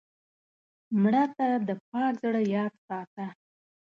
مړه ته د پاک زړه یاد ساته